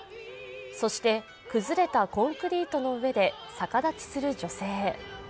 そして崩れたコンクリートの上で逆立ちする女性。